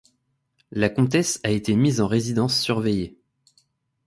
La comtesse a été mise en résidence surveillée.